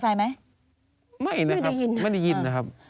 แซงที่วิ่งไห้จริงเริ่ม